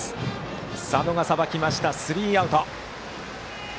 佐野がさばいてスリーアウト。